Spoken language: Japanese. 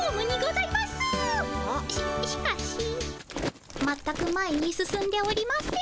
ししかしまったく前に進んでおりません。